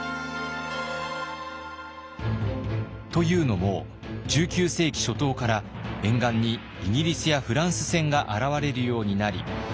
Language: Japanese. というのも１９世紀初頭から沿岸にイギリスやフランス船が現れるようになり。